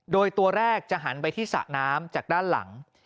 โดยตัวแรกจะหันไปที่สระน้ำจากด้านหลัง